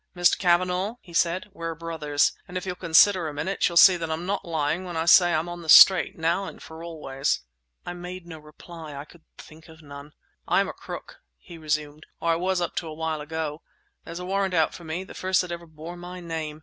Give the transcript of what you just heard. "Mr. Cavanagh," he said, "we're brothers! And if you'll consider a minute, you'll see that I'm not lying when I say I'm on the straight, now and for always!" I made no reply: I could think of none. "I'm a crook," he resumed, "or I was up to a while ago. There's a warrant out for me—the first that ever bore my name.